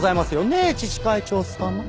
ねえ自治会長様。